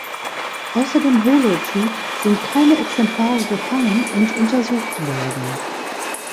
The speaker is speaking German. Außer dem Holotyp sind keine Exemplare gefangen und untersucht worden.